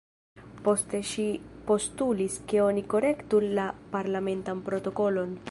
Poste ŝi postulis, ke oni korektu la parlamentan protokolon.